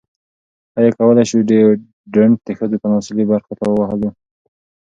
ایا کولی شو ډیوډرنټ د ښځو تناسلي برخو ته ووهلو؟